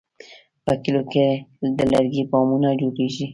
په کلیو کې د لرګي بامونه جوړېږي.